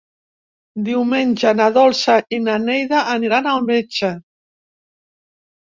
Diumenge na Dolça i na Neida aniran al metge.